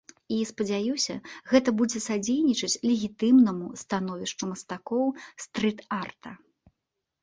І спадзяюся, гэта будзе садзейнічаць легітымнаму становішчу мастакоў стрыт-арта.